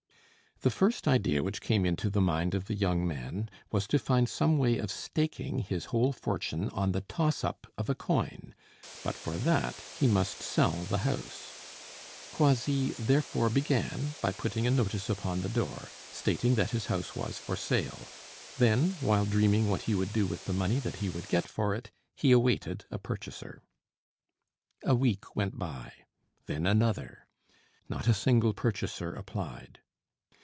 The first idea which came into the mind of the young man was to find some way of staking his whole fortune on the toss up of a coin, but for that he must sell the house. Croisilles therefore began by putting a notice upon the door, stating that his house was for sale; then, while dreaming what he would do with the money that he would get for it, he awaited a purchaser. A week went by, then another; not a single purchaser applied.